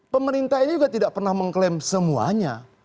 pemerintah ini juga tidak pernah mengklaim semuanya